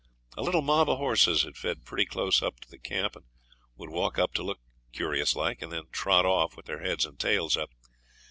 A little mob of horses had fed pretty close up to the camp, and would walk up to look curious like, and then trot off with their heads and tails up.